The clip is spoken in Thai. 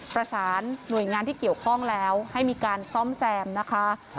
ประสานหน่วยงานที่เกี่ยวข้องแล้วให้มีการซ่อมแซมนะคะ